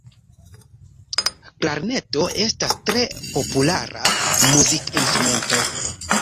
Klarneto estas tre populara muzikinstrumento.